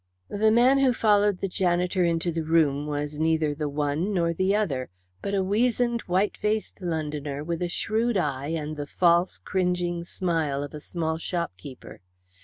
The man who followed the janitor into the room was neither the one nor the other, but a weazened white faced Londoner, with a shrewd eye and the false, cringing smile of a small shopkeeper.